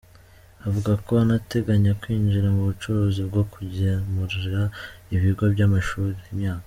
Avuga ko anateganya kwinjira mu bucuruzi bwo kugemurira ibigo by’amashuri imyaka.